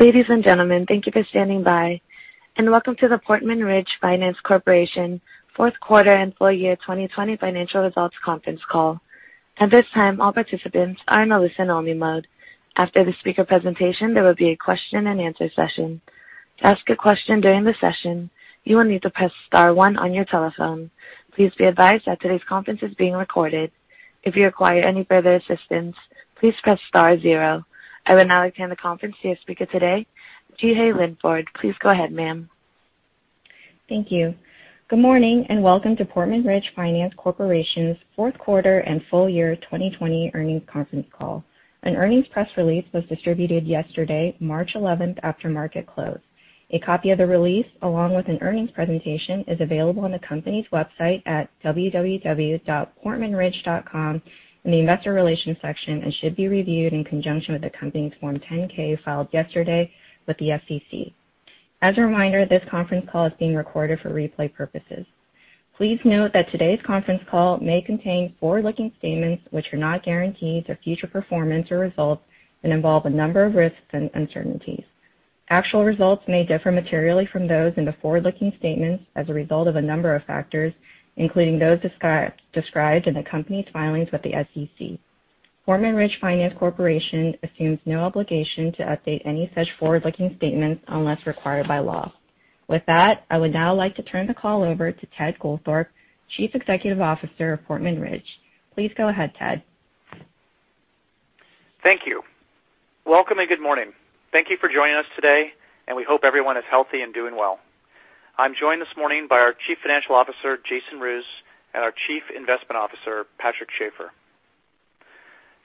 Ladies and gentlemen, thank you for standing by, and welcome to the Portman Ridge Finance Corporation Q4 and Full Year 2020 Financial Results Conference Call. At this time, all participants are in a listen-only mode. After the speaker presentation, there will be a question-and-answer session. To ask a question during the session, you will need to press star one on your telephone. Please be advised that today's conference is being recorded. If you require any further assistance, please press star zero. I will now extend the conference to your speaker today, Jeehae Linford. Please go ahead, ma'am. Thank you. Good morning and welcome to Portman Ridge Finance Corporation's Q4 and Full Year 2020 Earnings Conference Call. An earnings press release was distributed yesterday, March 11th, after market close. A copy of the release, along with an earnings presentation, is available on the company's website at www.portmanridge.com in the Investor Relations section and should be reviewed in conjunction with the company's Form 10-K filed yesterday with the SEC. As a reminder, this conference call is being recorded for replay purposes. Please note that today's conference call may contain forward-looking statements which are not guarantees of future performance or results and involve a number of risks and uncertainties. Actual results may differ materially from those in the forward-looking statements as a result of a number of factors, including those described in the company's filings with the SEC. Portman Ridge Finance Corporation assumes no obligation to update any such forward-looking statements unless required by law. With that, I would now like to turn the call over to Ted Goldthorpe, Chief Executive Officer of Portman Ridge. Please go ahead, Ted. Thank you. Welcome and good morning. Thank you for joining us today, and we hope everyone is healthy and doing well. I'm joined this morning by our Chief Financial Officer, Jason Roos, and our Chief Investment Officer, Patrick Schaefer.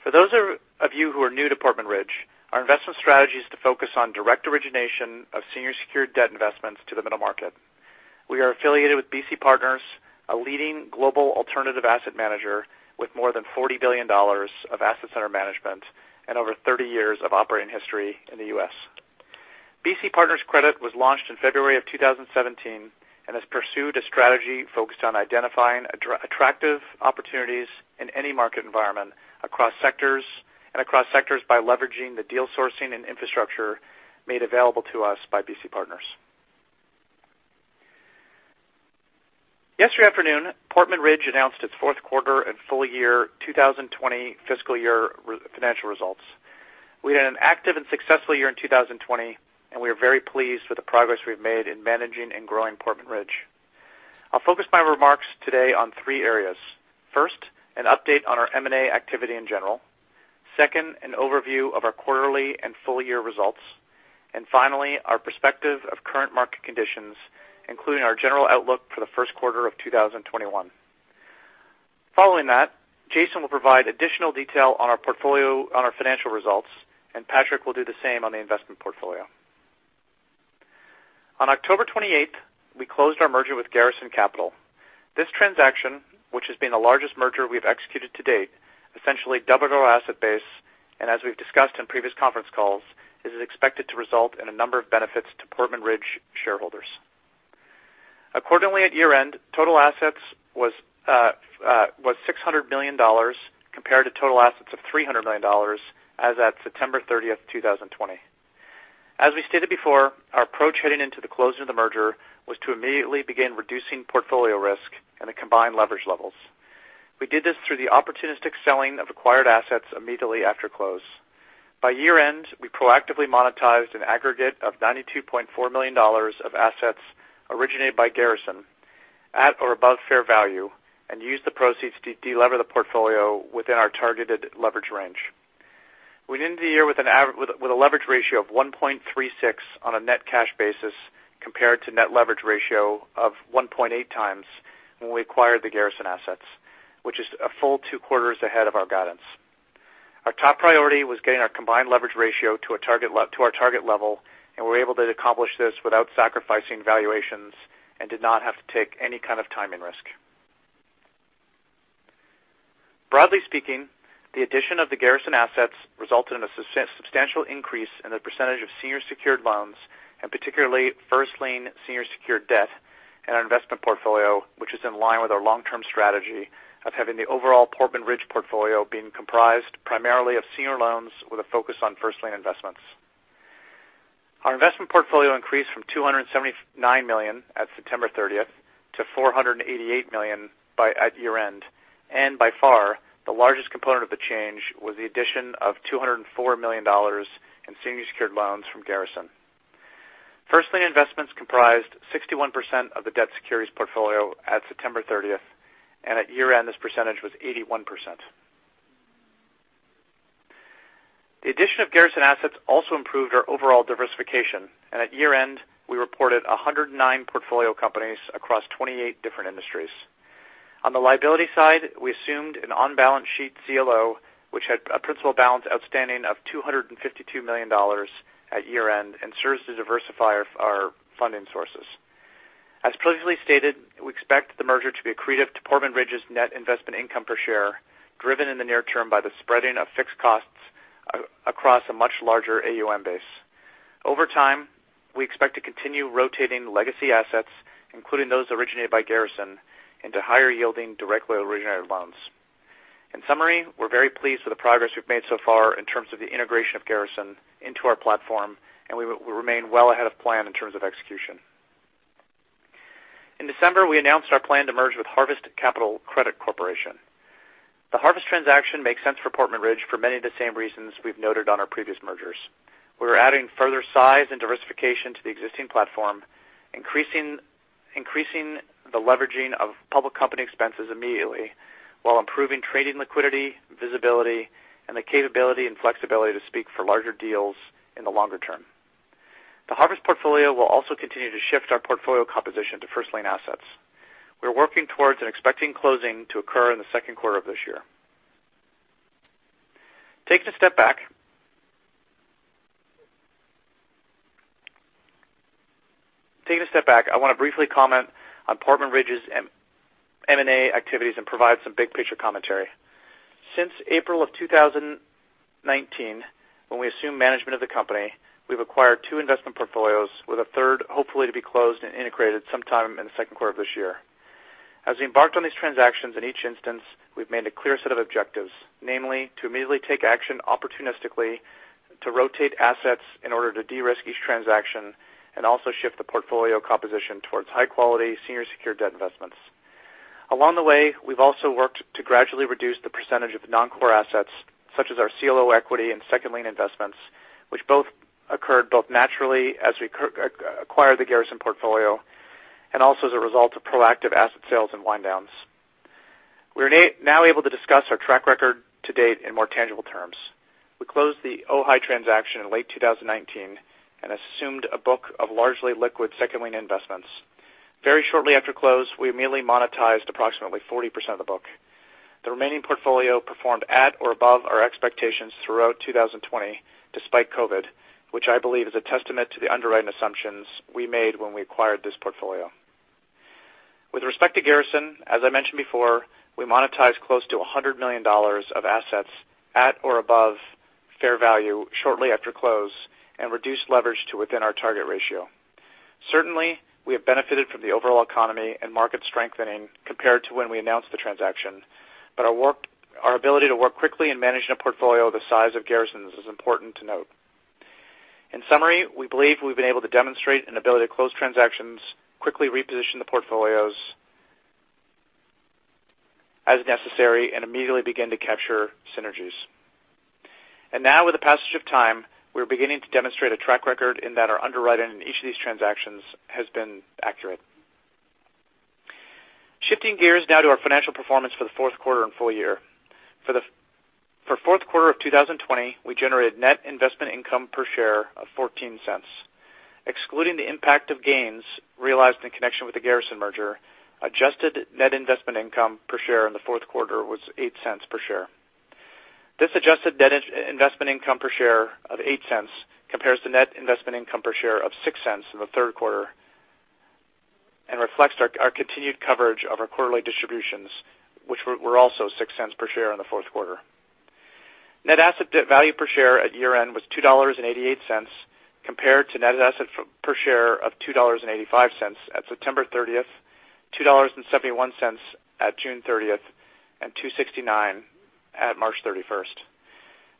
For those of you who are new to Portman Ridge, our investment strategy is to focus on direct origination of senior secured debt investments to the middle market. We are affiliated with BC Partners, a leading global alternative asset manager with more than $40 billion of assets under management and over 30 years of operating history in the U.S. BC Partners Credit was launched in February of 2017 and has pursued a strategy focused on identifying attractive opportunities in any market environment across sectors by leveraging the deal sourcing and infrastructure made available to us by BC Partners. Yesterday afternoon, Portman Ridge announced its Q4 and Full Year 2020 Fiscal Year financial results. We had an active and successful year in 2020, and we are very pleased with the progress we've made in managing and growing Portman Ridge. I'll focus my remarks today on three areas. First, an update on our M&A activity in general. Second, an overview of our quarterly and full year results. And finally, our perspective of current market conditions, including our general outlook for the Q1 of 2021. Following that, Jason will provide additional detail on our portfolio, on our financial results, and Patrick will do the same on the investment portfolio. On October 28th, we closed our merger with Garrison Capital. This transaction, which has been the largest merger we've executed to date, essentially doubled our asset base, and as we've discussed in previous conference calls, is expected to result in a number of benefits to Portman Ridge shareholders. Accordingly, at year-end, total assets was $600 million compared to total assets of $300 million as at September 30th, 2020. As we stated before, our approach heading into the closing of the merger was to immediately begin reducing portfolio risk and the combined leverage levels. We did this through the opportunistic selling of acquired assets immediately after close. By year-end, we proactively monetized an aggregate of $92.4 million of assets originated by Garrison at or above fair value and used the proceeds to delever the portfolio within our targeted leverage range. We ended the year with a leverage ratio of 1.36 on a net cash basis compared to a net leverage ratio of 1.8 times when we acquired the Garrison assets, which is a full two quarters ahead of our guidance. Our top priority was getting our combined leverage ratio to our target level, and we were able to accomplish this without sacrificing valuations and did not have to take any kind of timing risk. Broadly speaking, the addition of the Garrison assets resulted in a substantial increase in the percentage of senior secured loans, and particularly first lien senior secured debt in our investment portfolio, which is in line with our long-term strategy of having the overall Portman Ridge portfolio being comprised primarily of senior loans with a focus on first lien investments. Our investment portfolio increased from $279 million at September 30th to $488 million at year-end, and by far, the largest component of the change was the addition of $204 million in senior secured loans from Garrison. First Lien investments comprised 61% of the debt securities portfolio at September 30th, and at year-end, this percentage was 81%. The addition of Garrison assets also improved our overall diversification, and at year-end, we reported 109 portfolio companies across 28 different industries. On the liability side, we assumed an on-balance sheet CLO, which had a principal balance outstanding of $252 million at year-end and serves to diversify our funding sources. As previously stated, we expect the merger to be accretive to Portman Ridge's net investment income per share, driven in the near term by the spreading of fixed costs across a much larger AUM base. Over time, we expect to continue rotating legacy assets, including those originated by Garrison, into higher yielding directly originated loans. In summary, we're very pleased with the progress we've made so far in terms of the integration of Garrison into our platform, and we will remain well ahead of plan in terms of execution. In December, we announced our plan to merge with Harvest Capital Credit Corporation. The Harvest transaction makes sense for Portman Ridge for many of the same reasons we've noted on our previous mergers. We are adding further size and diversification to the existing platform, increasing the leveraging of public company expenses immediately while improving trading liquidity, visibility, and the capability and flexibility to speak for larger deals in the longer term. The Harvest portfolio will also continue to shift our portfolio composition to first lien assets. We're working towards an expected closing to occur in the Q2 of this year. Taking a step back, I want to briefly comment on Portman Ridge's M&A activities and provide some big picture commentary. Since April of 2019, when we assumed management of the company, we've acquired two investment portfolios with a third hopefully to be closed and integrated sometime in the Q2 of this year. As we embarked on these transactions in each instance, we've made a clear set of objectives, namely to immediately take action opportunistically to rotate assets in order to de-risk each transaction and also shift the portfolio composition towards high-quality senior secured debt investments. Along the way, we've also worked to gradually reduce the percentage of non-core assets such as our CLO equity and second lien investments, which both occurred both naturally as we acquired the Garrison portfolio and also as a result of proactive asset sales and wind-downs. We are now able to discuss our track record to date in more tangible terms. We closed the OHAI transaction in late 2019 and assumed a book of largely liquid second lien investments. Very shortly after close, we immediately monetized approximately 40% of the book. The remaining portfolio performed at or above our expectations throughout 2020 despite COVID, which I believe is a testament to the underwriting assumptions we made when we acquired this portfolio. With respect to Garrison, as I mentioned before, we monetized close to $100 million of assets at or above fair value shortly after close and reduced leverage to within our target ratio. Certainly, we have benefited from the overall economy and market strengthening compared to when we announced the transaction, but our ability to work quickly in managing a portfolio the size of Garrison's is important to note. In summary, we believe we've been able to demonstrate an ability to close transactions, quickly reposition the portfolios as necessary, and immediately begin to capture synergies. Now, with the passage of time, we're beginning to demonstrate a track record in that our underwriting in each of these transactions has been accurate. Shifting gears now to our financial performance for the Q4 and full year. For the Q4 of 2020, we generated net investment income per share of $0.14. Excluding the impact of gains realized in connection with the Garrison merger, adjusted net investment income per share in the Q4 was $0.08 per share. This adjusted net investment income per share of $0.08 compares to net investment income per share of $0.06 in the Q3 and reflects our continued coverage of our quarterly distributions, which were also $0.06 per share in the Q4. Net asset value per share at year-end was $2.88 compared to net asset per share of $2.85 at September 30th, $2.71 at June 30th, and $2.69 at March 31st.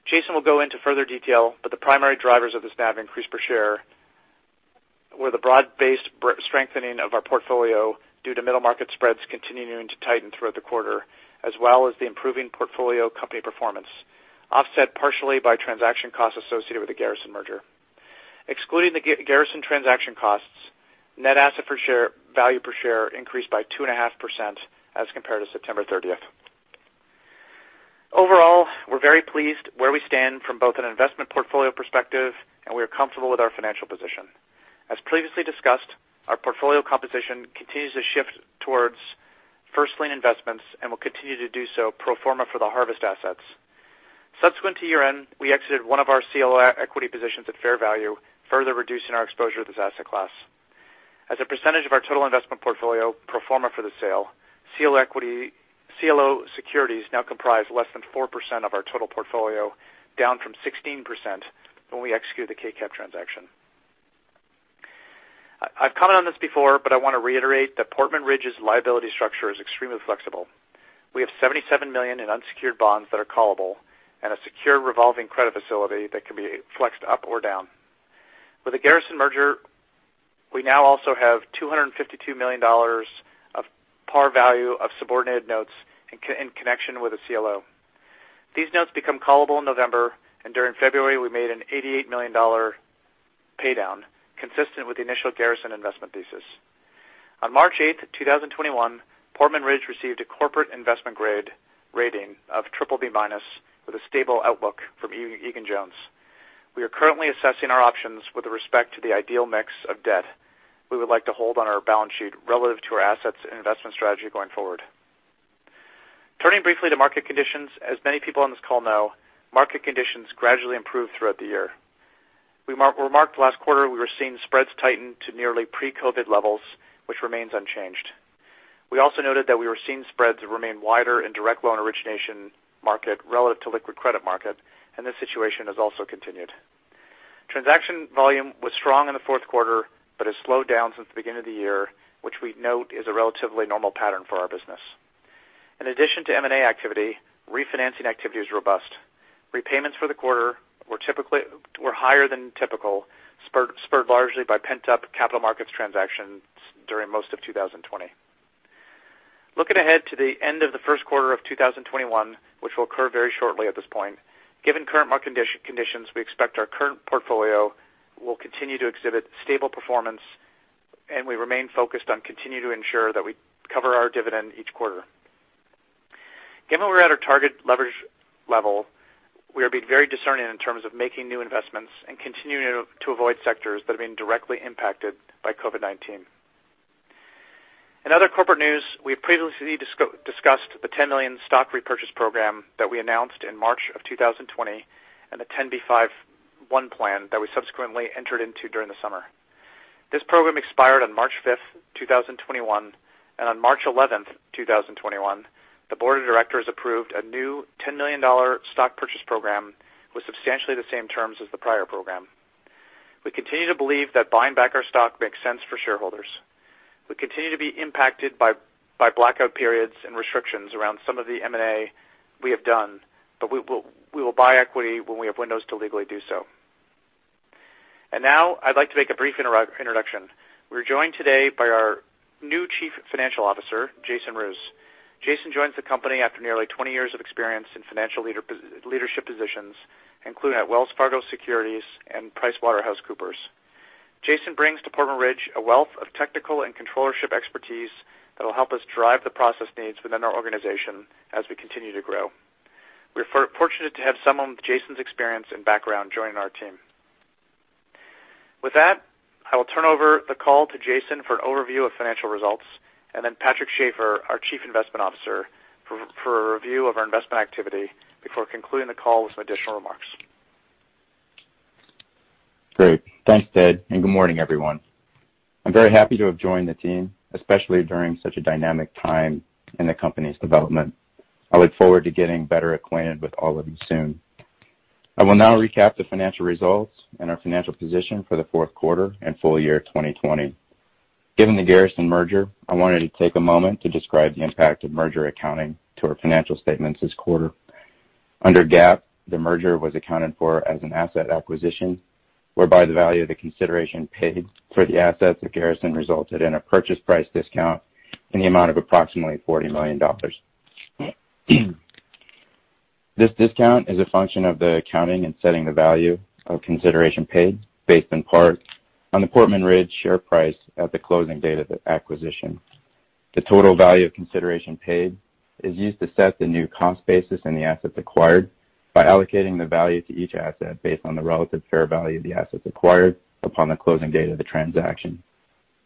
Jason will go into further detail, but the primary drivers of this NAV increase per share were the broad-based strengthening of our portfolio due to middle market spreads continuing to tighten throughout the quarter, as well as the improving portfolio company performance, offset partially by transaction costs associated with the Garrison merger. Excluding the Garrison transaction costs, net asset per value per share increased by 2.5% as compared to September 30th. Overall, we're very pleased where we stand from both an investment portfolio perspective, and we are comfortable with our financial position. As previously discussed, our portfolio composition continues to shift towards first lien investments and will continue to do so pro forma for the Harvest assets. Subsequent to year-end, we exited one of our CLO equity positions at fair value, further reducing our exposure to this asset class. As a percentage of our total investment portfolio pro forma for the sale, CLO securities now comprise less than 4% of our total portfolio, down from 16% when we executed the KCAP transaction. I've commented on this before, but I want to reiterate that Portman Ridge's liability structure is extremely flexible. We have $77 million in unsecured bonds that are callable and a secure revolving credit facility that can be flexed up or down. With the Garrison merger, we now also have $252 million of par value of subordinated notes in connection with a CLO. These notes become callable in November, and during February, we made an $88 million paydown consistent with the initial Garrison investment thesis. On March 8th, 2021, Portman Ridge received a corporate investment grade rating of BBB minus with a stable outlook from Egan-Jones. We are currently assessing our options with respect to the ideal mix of debt. We would like to hold on our balance sheet relative to our assets and investment strategy going forward. Turning briefly to market conditions, as many people on this call know, market conditions gradually improved throughout the year. We remarked last quarter we were seeing spreads tighten to nearly pre-COVID levels, which remains unchanged. We also noted that we were seeing spreads remain wider in direct loan origination market relative to liquid credit market, and this situation has also continued. Transaction volume was strong in the Q4 but has slowed down since the beginning of the year, which we note is a relatively normal pattern for our business. In addition to M&A activity, refinancing activity is robust. Repayments for the quarter were higher than typical, spurred largely by pent-up capital markets transactions during most of 2020. Looking ahead to the end of the Q1 of 2021, which will occur very shortly at this point, given current market conditions, we expect our current portfolio will continue to exhibit stable performance, and we remain focused on continuing to ensure that we cover our dividend each quarter. Given we're at our target leverage level, we are being very discerning in terms of making new investments and continuing to avoid sectors that have been directly impacted by COVID-19. In other corporate news, we have previously discussed the $10 million stock repurchase program that we announced in March of 2020 and the 10b5-1 plan that we subsequently entered into during the summer. This program expired on March 5th, 2021, and on March 11th, 2021, the board of directors approved a new $10 million stock purchase program with substantially the same terms as the prior program. We continue to believe that buying back our stock makes sense for shareholders. We continue to be impacted by blackout periods and restrictions around some of the M&A we have done, but we will buy equity when we have windows to legally do so. And now, I'd like to make a brief introduction. We're joined today by our new Chief Financial Officer, Jason Roos. Jason joins the company after nearly 20 years of experience in financial leadership positions, including at Wells Fargo Securities and PricewaterhouseCoopers. Jason brings to Portman Ridge a wealth of technical and controllership expertise that will help us drive the process needs within our organization as we continue to grow. We are fortunate to have someone with Jason's experience and background joining our team. With that, I will turn over the call to Jason for an overview of financial results and then Patrick Schaefer, our Chief Investment Officer, for a review of our investment activity before concluding the call with some additional remarks. Great. Thanks, Ted. And good morning, everyone. I'm very happy to have joined the team, especially during such a dynamic time in the company's development. I look forward to getting better acquainted with all of you soon. I will now recap the financial results and our financial position for the Q4 and full year 2020. Given the Garrison merger, I wanted to take a moment to describe the impact of merger accounting to our financial statements this quarter. Under GAAP, the merger was accounted for as an asset acquisition, whereby the value of the consideration paid for the assets at Garrison resulted in a purchase price discount in the amount of approximately $40 million. This discount is a function of the accounting and setting the value of consideration paid based in part on the Portman Ridge share price at the closing date of the acquisition. The total value of consideration paid is used to set the new cost basis in the assets acquired by allocating the value to each asset based on the relative fair value of the assets acquired upon the closing date of the transaction.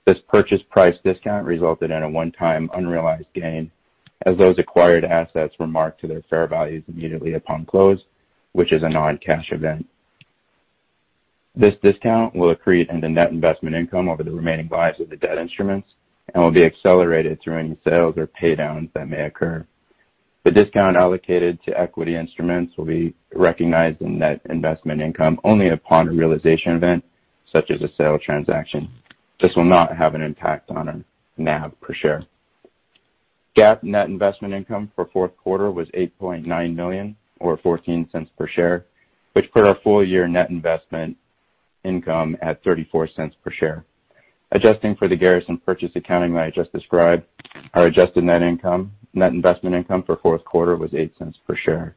This purchase price discount resulted in a one-time unrealized gain as those acquired assets were marked to their fair values immediately upon close, which is a non-cash event. This discount will accrete into net investment income over the remaining lives of the debt instruments and will be accelerated through any sales or paydowns that may occur. The discount allocated to equity instruments will be recognized in net investment income only upon a realization event such as a sale transaction. This will not have an impact on our NAV per share. GAAP net investment income for Q4 was $8.9 million or $0.14 per share, which put our full year net investment income at $0.34 per share. Adjusting for the Garrison purchase accounting I just described, our adjusted net investment income for Q4 was $0.08 per share.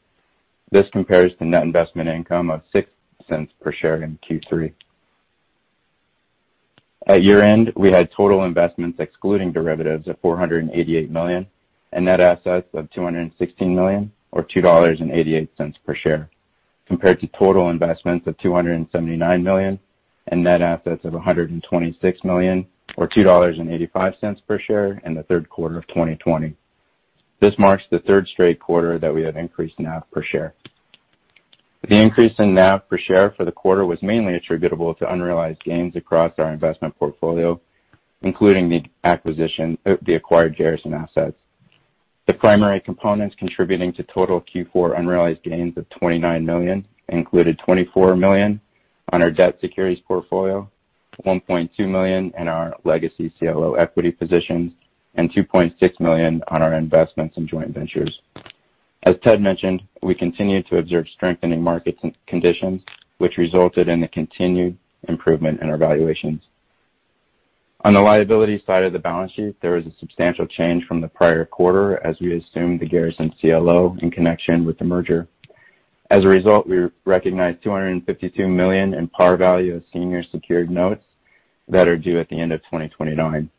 This compares to net investment income of $0.06 per share in Q3. At year-end, we had total investments excluding derivatives of $488 million and net assets of $216 million or $2.88 per share compared to total investments of $279 million and net assets of $126 million or $2.85 per share in the Q3 of 2020. This marks the third straight quarter that we have increased NAV per share. The increase in NAV per share for the quarter was mainly attributable to unrealized gains across our investment portfolio, including the acquired Garrison assets. The primary components contributing to total Q4 unrealized gains of $29 million included $24 million on our debt securities portfolio, $1.2 million in our legacy CLO equity positions, and $2.6 million on our investments and joint ventures. As Ted mentioned, we continued to observe strengthening market conditions, which resulted in the continued improvement in our valuations. On the liability side of the balance sheet, there was a substantial change from the prior quarter as we assumed the Garrison CLO in connection with the merger. As a result, we recognized $252 million in par value of senior secured notes that are due at the end of 2029.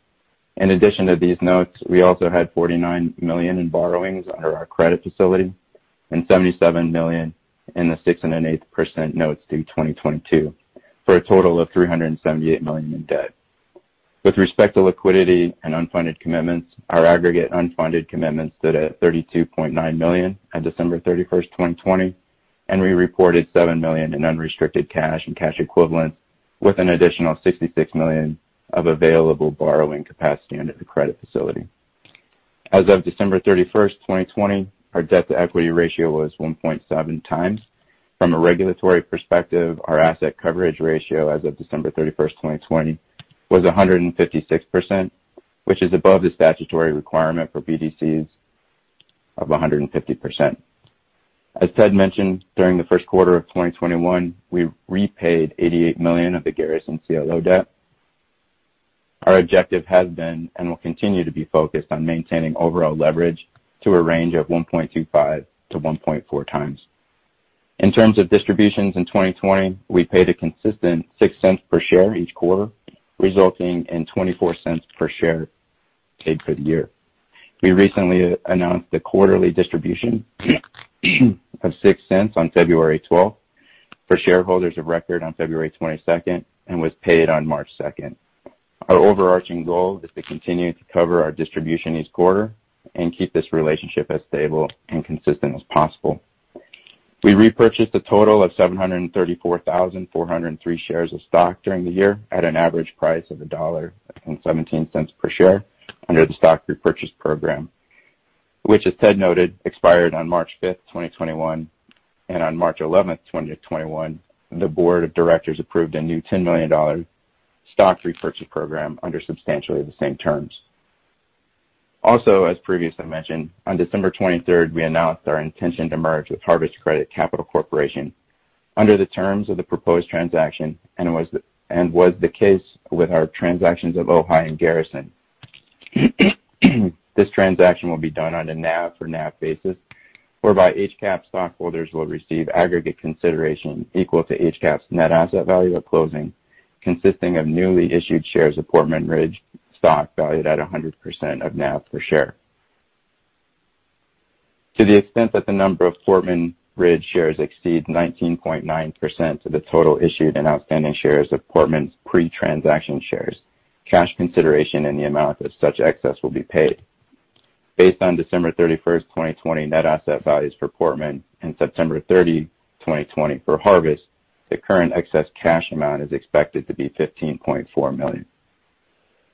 In addition to these notes, we also had $49 million in borrowings under our credit facility and $77 million in the 6.8% notes due 2022 for a total of $378 million in debt. With respect to liquidity and unfunded commitments, our aggregate unfunded commitments stood at $32.9 million at December 31st, 2020, and we reported $7 million in unrestricted cash and cash equivalents with an additional $66 million of available borrowing capacity under the credit facility. As of December 31st, 2020, our debt to equity ratio was 1.7 times. From a regulatory perspective, our asset coverage ratio as of December 31st, 2020, was 156%, which is above the statutory requirement for BDCs of 150%. As Ted mentioned, during the Q1 of 2021, we repaid $88 million of the Garrison CLO debt. Our objective has been and will continue to be focused on maintaining overall leverage to a range of 1.25 to 1.4 times. In terms of distributions in 2020, we paid a consistent $0.06 per share each quarter, resulting in $0.24 per share paid for the year. We recently announced a quarterly distribution of $0.06 on February 12th for shareholders of record on February 22nd and was paid on March 2nd. Our overarching goal is to continue to cover our distribution each quarter and keep this relationship as stable and consistent as possible. We repurchased a total of 734,403 shares of stock during the year at an average price of $1.17 per share under the stock repurchase program, which, as Ted noted, expired on March 5th, 2021, and on March 11th, 2021, the board of directors approved a new $10 million stock repurchase program under substantially the same terms. Also, as previously mentioned, on December 23rd, we announced our intention to merge with Harvest Capital Credit Corporation under the terms of the proposed transaction and, as was the case with our transactions of OHAI and Garrison. This transaction will be done on a NAV-for-NAV basis, whereby HCAP stockholders will receive aggregate consideration equal to HCAP's net asset value at closing, consisting of newly issued shares of Portman Ridge stock valued at 100% of NAV per share. To the extent that the number of Portman Ridge shares exceeds 19.9% of the total issued and outstanding shares of Portman's pre-transaction shares, cash consideration in the amount of such excess will be paid. Based on December 31st, 2020, net asset values for Portman and September 30, 2020, for Harvest, the current excess cash amount is expected to be $15.4 million.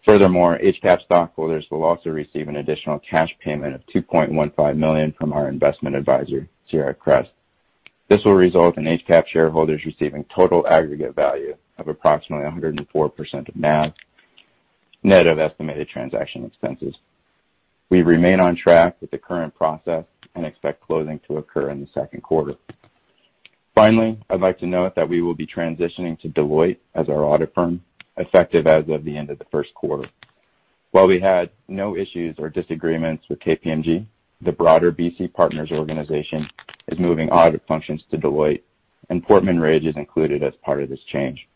Furthermore, HCAP stockholders will also receive an additional cash payment of $2.15 million from our investment advisor, Sierra Crest. This will result in HCAP shareholders receiving total aggregate value of approximately 104% of NAV net of estimated transaction expenses. We remain on track with the current process and expect closing to occur in the Q2. Finally, I'd like to note that we will be transitioning to Deloitte as our audit firm, effective as of the end of the Q1. While we had no issues or disagreements with KPMG, the broader BC Partners organization is moving audit functions to Deloitte, and Portman Ridge is included as part of this change.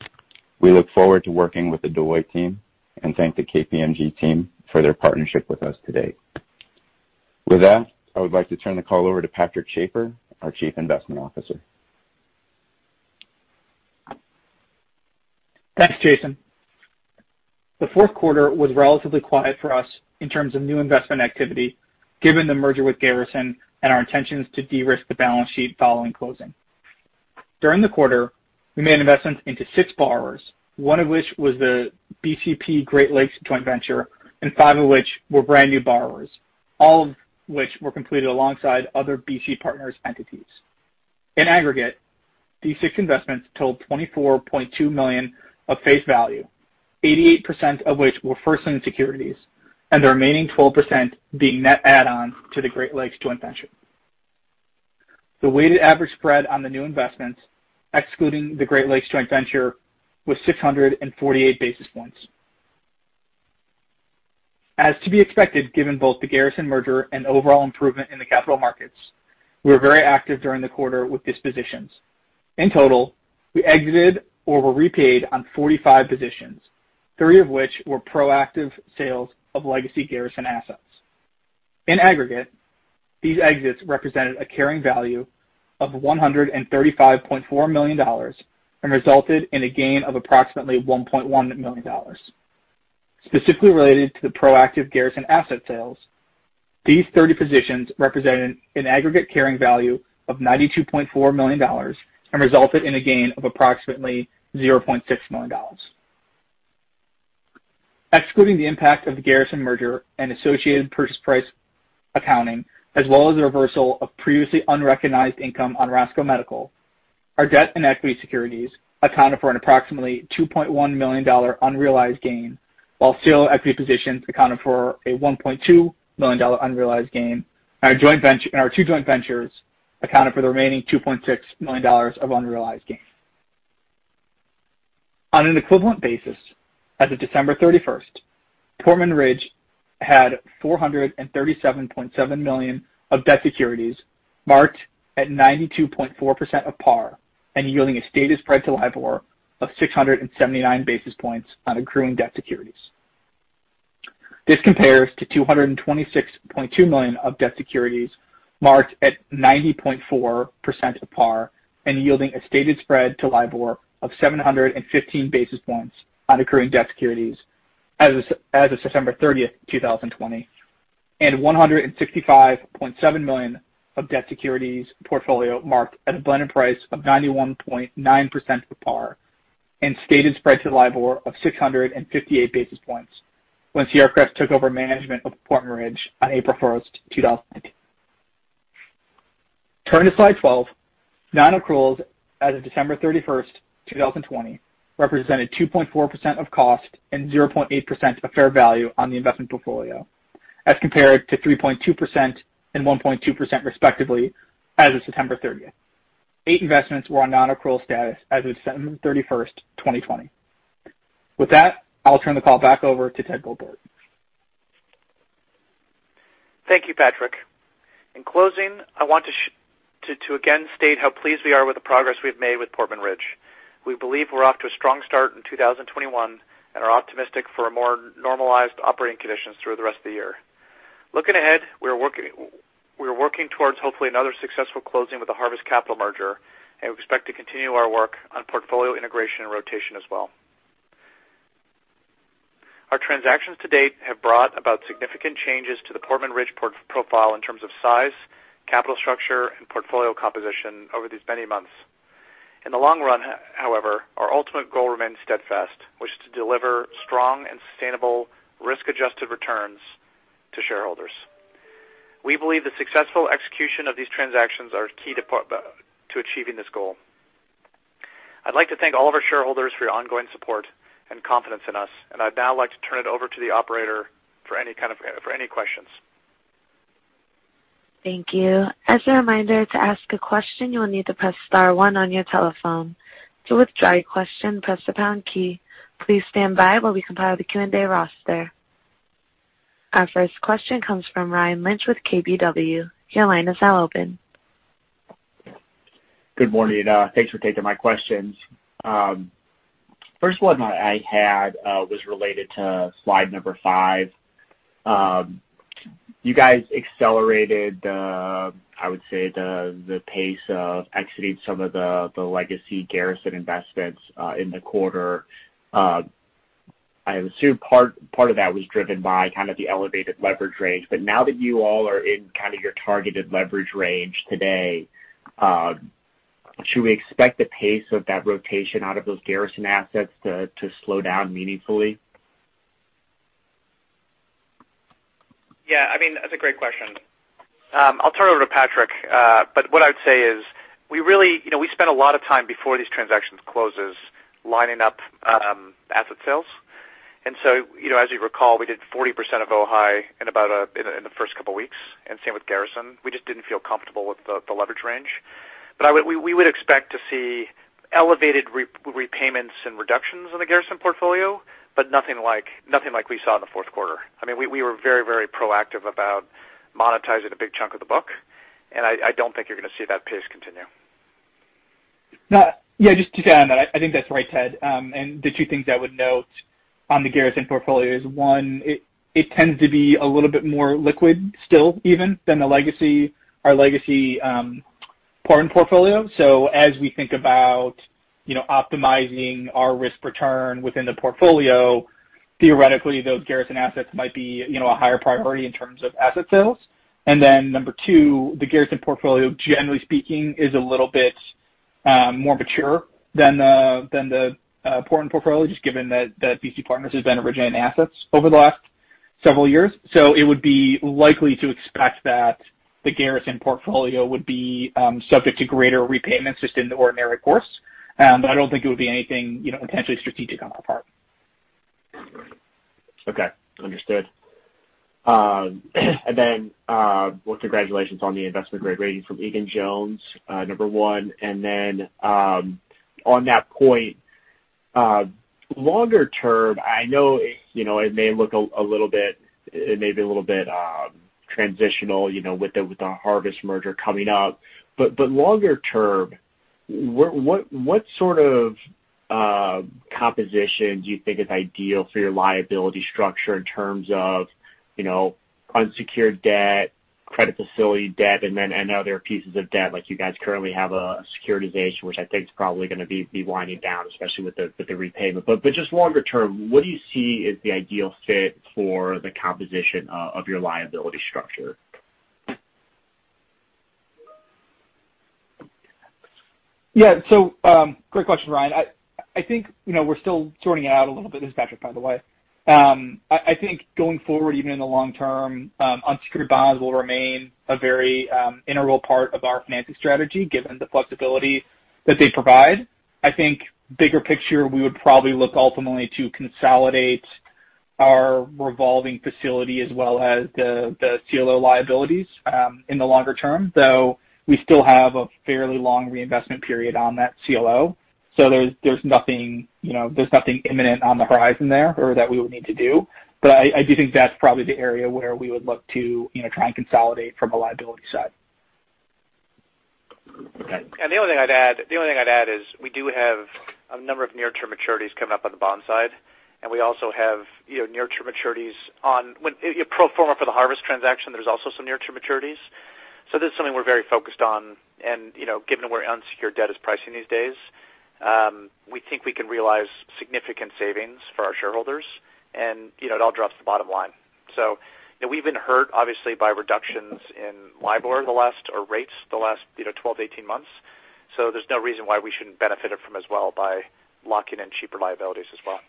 We look forward to working with the Deloitte team and thank the KPMG team for their partnership with us today. With that, I would like to turn the call over to Patrick Schaefer, our Chief Investment Officer. Thanks, Jason. The Q4 was relatively quiet for us in terms of new investment activity given the merger with Garrison and our intentions to de-risk the balance sheet following closing. During the quarter, we made investments into six borrowers, one of which was the BCP Great Lakes Joint Venture and five of which were brand new borrowers, all of which were completed alongside other BC Partners entities. In aggregate, these six investments totaled $24.2 million of face value, 88% of which were first lien securities and the remaining 12% being net add-ons to the Great Lakes Joint Venture. The weighted average spread on the new investments, excluding the Great Lakes Joint Venture, was 648 basis points. As to be expected, given both the Garrison merger and overall improvement in the capital markets, we were very active during the quarter with these positions. In total, we exited or were repaid on 45 positions, three of which were proactive sales of legacy Garrison assets. In aggregate, these exits represented a carrying value of $135.4 million and resulted in a gain of approximately $1.1 million. Specifically related to the proactive Garrison asset sales, these 30 positions represented an aggregate carrying value of $92.4 million and resulted in a gain of approximately $0.6 million. Excluding the impact of the Garrison merger and associated purchase price accounting, as well as the reversal of previously unrecognized income on Roscoe Medical, our debt and equity securities accounted for an approximately $2.1 million unrealized gain, while CLO equity positions accounted for a $1.2 million unrealized gain, and our two joint ventures accounted for the remaining $2.6 million of unrealized gain. On an equivalent basis, as of December 31st, Portman Ridge had 437.7 million of debt securities marked at 92.4% of par and yielding a stated spread to LIBOR of 679 basis points on accruing debt securities. This compares to 226.2 million of debt securities marked at 90.4% of par and yielding a stated spread to LIBOR of 715 basis points on accruing debt securities as of September 30th, 2020, and 165.7 million of debt securities portfolio marked at a blended price of 91.9% of par and stated spread to LIBOR of 658 basis points when Sierra Crest took over management of Portman Ridge on April 1st, 2019. Turning to slide 12, non-accruals as of December 31st, 2020, represented 2.4% of cost and 0.8% of fair value on the investment portfolio as compared to 3.2% and 1.2% respectively as of September 30th. Eight investments were on non-accrual status as of December 31st, 2020. With that, I'll turn the call back over to Ted Goldthorpe. Thank you, Patrick. In closing, I want to again state how pleased we are with the progress we've made with Portman Ridge. We believe we're off to a strong start in 2021 and are optimistic for more normalized operating conditions through the rest of the year. Looking ahead, we are working towards hopefully another successful closing with the Harvest Capital merger, and we expect to continue our work on portfolio integration and rotation as well. Our transactions to date have brought about significant changes to the Portman Ridge profile in terms of size, capital structure, and portfolio composition over these many months. In the long run, however, our ultimate goal remains steadfast, which is to deliver strong and sustainable risk-adjusted returns to shareholders. We believe the successful execution of these transactions are key to achieving this goal. I'd like to thank all of our shareholders for your ongoing support and confidence in us, and I'd now like to turn it over to the operator for any questions. Thank you. As a reminder, to ask a question, you will need to press star one on your telephone. To withdraw your question, press the pound key. Please stand by while we compile the Q&A roster. Our first question comes from Ryan Lynch with KBW. Your line is now open. Good morning. Thanks for taking my questions. First one I had was related to slide number five. You guys accelerated, I would say, the pace of exiting some of the legacy Garrison investments in the quarter. I assume part of that was driven by kind of the elevated leverage range, but now that you all are in kind of your targeted leverage range today, should we expect the pace of that rotation out of those Garrison assets to slow down meaningfully? Yeah. I mean, that's a great question. I'll turn it over to Patrick, but what I would say is we spent a lot of time before these transactions close lining up asset sales, and so, as you recall, we did 40% of OHAI in the first couple of weeks, and same with Garrison. We just didn't feel comfortable with the leverage range, but we would expect to see elevated repayments and reductions in the Garrison portfolio, but nothing like we saw in the Q4. I mean, we were very, very proactive about monetizing a big chunk of the book, and I don't think you're going to see that pace continue. Yeah. Just to add on that, I think that's right, Ted, and the two things I would note on the Garrison portfolio is, one, it tends to be a little bit more liquid still even than our legacy Portman portfolio, so as we think about optimizing our risk return within the portfolio, theoretically, those Garrison assets might be a higher priority in terms of asset sales, and then number two, the Garrison portfolio, generally speaking, is a little bit more mature than the Portman portfolio, just given that BC Partners has been a regime in assets over the last several years, so it would be likely to expect that the Garrison portfolio would be subject to greater repayments just in the ordinary course. I don't think it would be anything intentionally strategic on our part. Okay. Understood. And then congratulations on the investment grade rating from Egan-Jones, number one. And then on that point, longer term, I know it may look a little bit. It may be a little bit transitional with the Harvest merger coming up, but longer term, what sort of composition do you think is ideal for your liability structure in terms of unsecured debt, credit facility debt, and other pieces of debt? You guys currently have a securitization, which I think is probably going to be winding down, especially with the repayment. But just longer term, what do you see as the ideal fit for the composition of your liability structure? Yeah. So great question, Ryan. I think we're still sorting it out a little bit. This is Patrick, by the way. I think going forward, even in the long term, unsecured bonds will remain a very integral part of our financing strategy given the flexibility that they provide. I think bigger picture, we would probably look ultimately to consolidate our revolving facility as well as the CLO liabilities in the longer term. Though we still have a fairly long reinvestment period on that CLO, so there's nothing imminent on the horizon there or that we would need to do. But I do think that's probably the area where we would look to try and consolidate from a liability side. Okay. And the only thing I'd add, the only thing I'd add is we do have a number of near-term maturities coming up on the bond side, and we also have near-term maturities on pro forma for the Harvest transaction. There's also some near-term maturities. So this is something we're very focused on. And given where unsecured debt is pricing these days, we think we can realize significant savings for our shareholders, and it all drops the bottom line. So we've been hurt, obviously, by reductions in LIBOR or rates the last 12-18 months. So there's no reason why we shouldn't benefit from it as well by locking in cheaper liabilities as well.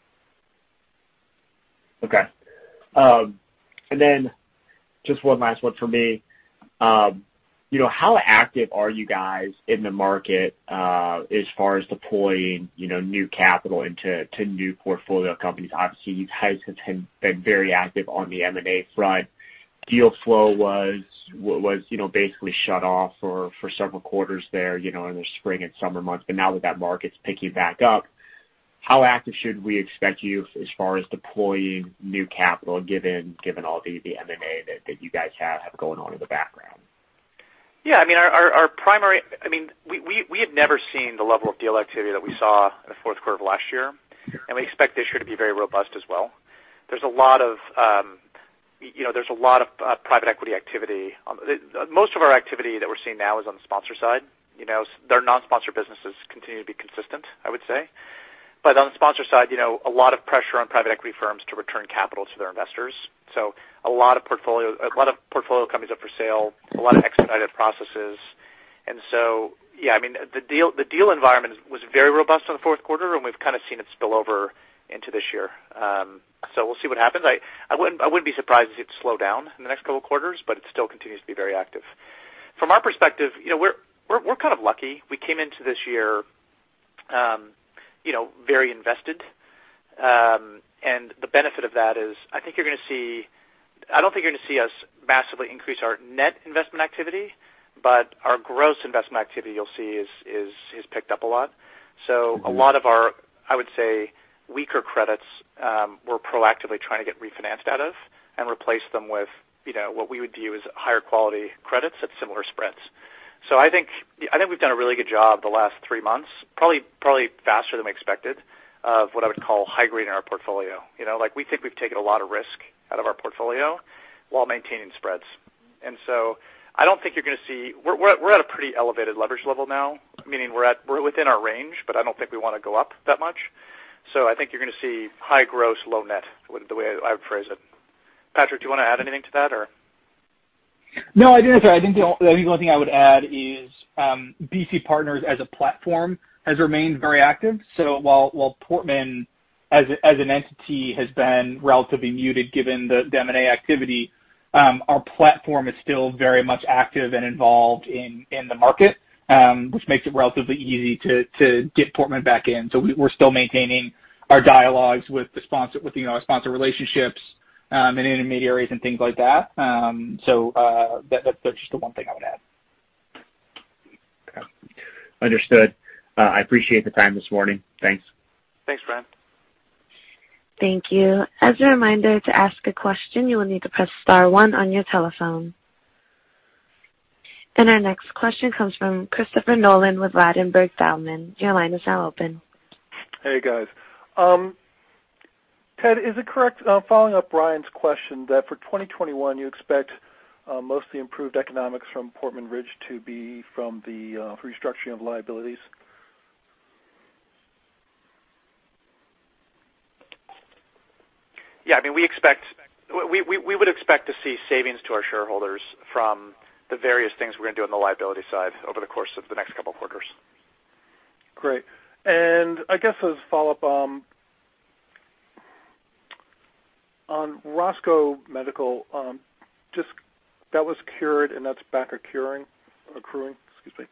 Okay. And then just one last one for me. How active are you guys in the market as far as deploying new capital into new portfolio companies? Obviously, you guys have been very active on the M&A front. Deal flow was basically shut off for several quarters there in the spring and summer months, but now that that market's picking back up, how active should we expect you as far as deploying new capital given all the M&A that you guys have going on in the background? Yeah. I mean, our primary - I mean, we had never seen the level of deal activity that we saw in the Q4 of last year, and we expect this year to be very robust as well. There's a lot of private equity activity. Most of our activity that we're seeing now is on the sponsor side. Their non-sponsored businesses continue to be consistent, I would say, but on the sponsor side, a lot of pressure on private equity firms to return capital to their investors, so a lot of portfolio companies up for sale, a lot of expedited processes, and so, yeah, I mean, the deal environment was very robust in the Q4, and we've kind of seen it spill over into this year, so we'll see what happens. I wouldn't be surprised to see it slow down in the next couple of quarters, but it still continues to be very active. From our perspective, we're kind of lucky. We came into this year very invested, and the benefit of that is I think you're going to see, I don't think you're going to see us massively increase our net investment activity, but our gross investment activity you'll see has picked up a lot. So a lot of our, I would say, weaker credits we're proactively trying to get refinanced out of and replace them with what we would view as higher quality credits at similar spreads. So I think we've done a really good job the last three months, probably faster than we expected of what I would call high-grade in our portfolio. We think we've taken a lot of risk out of our portfolio while maintaining spreads. And so I don't think you're going to see—we're at a pretty elevated leverage level now, meaning we're within our range, but I don't think we want to go up that much. So I think you're going to see high gross, low net, the way I would phrase it. Patrick, do you want to add anything to that, or? No, I think the only thing I would add is BC Partners as a platform has remained very active, so while Portman as an entity has been relatively muted given the M&A activity, our platform is still very much active and involved in the market, which makes it relatively easy to get Portman back in, so we're still maintaining our dialogues with our sponsor relationships and intermediaries and things like that, so that's just the one thing I would add. Okay. Understood. I appreciate the time this morning. Thanks. Thanks, Ryan. Thank you. As a reminder, to ask a question, you will need to press star one on your telephone, and our next question comes from Christopher Nolan with Ladenburg Thalmann. Your line is now open. Hey, guys. Ted, is it correct, I'm following up Ryan's question, that for 2021, you expect mostly improved economics from Portman Ridge to be from the restructuring of liabilities? Yeah. I mean, we would expect to see savings to our shareholders from the various things we're going to do on the liability side over the course of the next couple of quarters. Great. And I guess as a follow-up on Roscoe Medical, just that was cured, and that's back accruing, excuse me.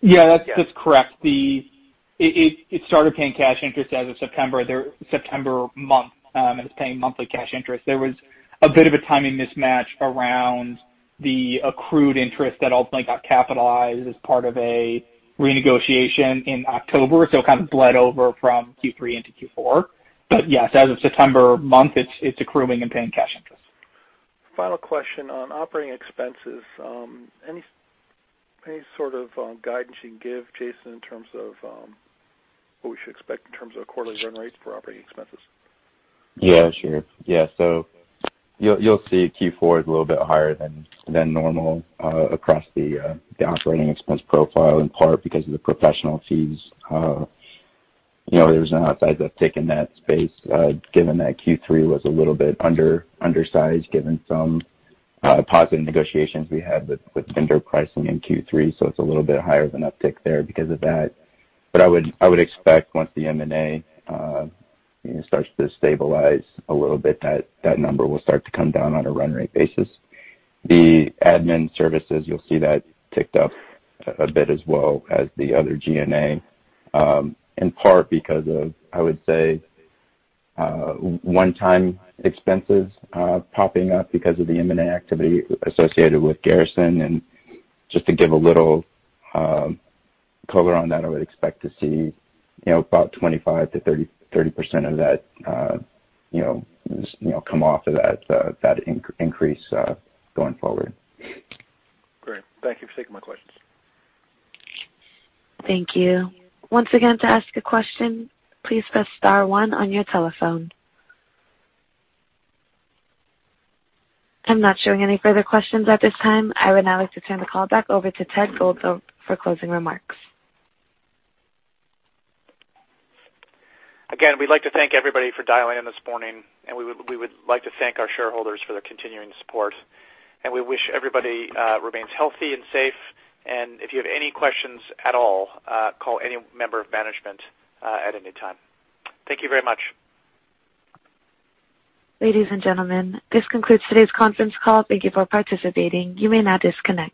Yeah, that's correct. It started paying cash interest as of September month, and it's paying monthly cash interest. There was a bit of a timing mismatch around the accrued interest that ultimately got capitalized as part of a renegotiation in October, so it kind of bled over from Q3 into Q4. But yes, as of September month, it's accruing and paying cash interest. Final question on operating expenses. Any sort of guidance you can give, Jason, in terms of what we should expect in terms of quarterly run rates for operating expenses? Yeah, sure. Yeah. So you'll see Q4 is a little bit higher than normal across the operating expense profile, in part because of the professional fees. There was an uptick in that space given that Q3 was a little bit undersized given some positive negotiations we had with vendor pricing in Q3. So it's a little bit higher, an uptick there because of that. But I would expect once the M&A starts to stabilize a little bit, that number will start to come down on a run rate basis. The admin services, you'll see that ticked up a bit as well as the other G&A, in part because of, I would say, one-time expenses popping up because of the M&A activity associated with Garrison. Just to give a little color on that, I would expect to see about 25%-30% of that come off of that increase going forward. Great. Thank you for taking my questions. Thank you. Once again, to ask a question, please press star one on your telephone. I'm not showing any further questions at this time. I would now like to turn the call back over to Ted Goldthorpe for closing remarks. Again, we'd like to thank everybody for dialing in this morning, and we would like to thank our shareholders for their continuing support. And we wish everybody remains healthy and safe. And if you have any questions at all, call any member of management at any time. Thank you very much. Ladies and gentlemen, this concludes today's conference call. Thank you for participating. You may now disconnect.